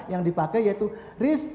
yang dipakai yaitu risk